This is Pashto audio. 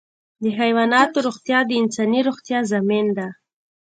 د حیواناتو روغتیا د انساني روغتیا ضامن ده.